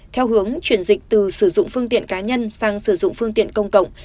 theo hướng chuyển dịch từ sử dụng phương tiện cá nhân sang sử dụng phương tiện công cộng